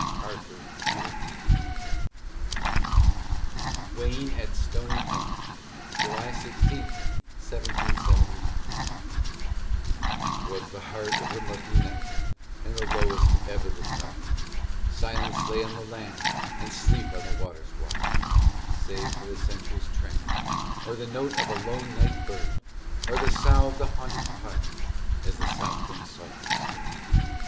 ARTHUR GUITERMAN. WAYNE AT STONY POINT [July 16, 1779] 'Twas the heart of the murky night, and the lowest ebb of the tide, Silence lay on the land, and sleep on the waters wide, Save for the sentry's tramp, or the note of a lone night bird, Or the sough of the haunted pines as the south wind softly stirred.